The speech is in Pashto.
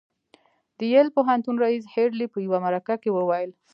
د يل پوهنتون رييس هيډلي په يوه مرکه کې وويل.